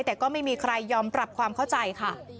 แต่ก็ไม่มีใครยอมปรับความเข้าใจค่ะ